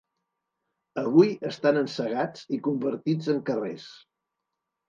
Avui estan encegats i convertits en carrers.